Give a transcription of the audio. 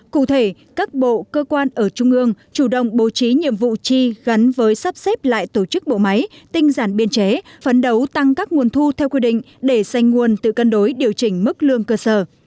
cụ thể các bộ cơ quan ở trung ương chủ động bố trí nhiệm vụ chi gắn với sắp xếp lại tổ chức bộ máy tinh giản biên chế phấn đấu tăng các nguồn thu theo quy định để sanh nguồn tự cân đối điều chỉnh mức lương cơ sở